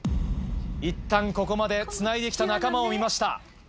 いったんここまでつないできた仲間を見ました。